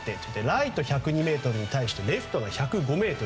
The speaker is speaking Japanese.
ライトが１０２ｍに対してレフトが１０５ｍ。